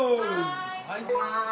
はい。